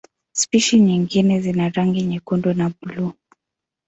Spishi nyingine zina rangi nyekundu na buluu.